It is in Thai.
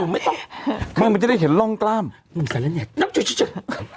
ไม่ต้องไม่มันจะได้เห็นร่องกล้ามมันแสละเน็ตขาวมากไม่ได้